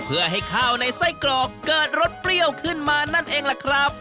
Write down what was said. เพื่อให้ข้าวในไส้กรอกเกิดรสเปรี้ยวขึ้นมานั่นเองล่ะครับ